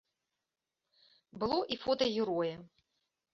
Было і фота героя.